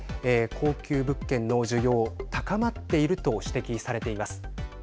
高級物件の需要、高まっていると指摘されています。